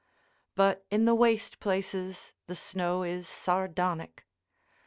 But in the waste places the snow is sardonic.